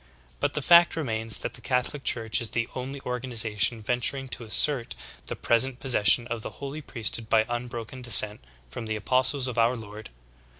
But the fact remains that the Catholic Church is the only organization venturing to assert the pres ent possession of the holy priesthood by unbroken descent from the apostles of our Lord.